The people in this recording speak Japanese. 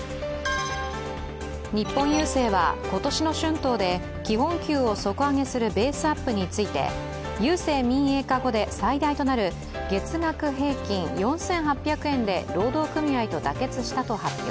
日本郵政は今年の春闘で基本給を底上げするベースアップについて、郵政民営化後で最大となる月額平均４８００円で労働組合と妥結したと発表。